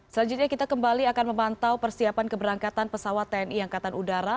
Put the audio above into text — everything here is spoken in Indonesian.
selanjutnya kita kembali akan memantau persiapan keberangkatan pesawat tni angkatan udara